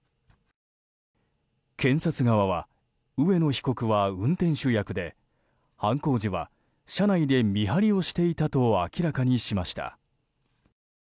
検察側は、上野被告は運転手役で犯行時は車内で見張りをしていたと明らかにしました。